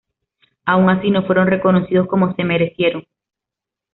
Aun así no fueron reconocidos como se merecieron.